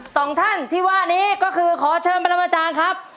สองท่านที่ว่านี้ก็คือขอเชิญพระนาจารย์ครับ